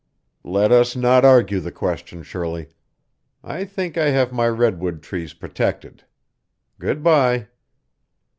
"Let us not argue the question, Shirley. I think I have my redwood trees protected. Good bye."